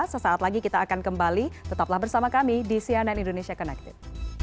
sesaat lagi kita akan kembali tetaplah bersama kami di cnn indonesia connected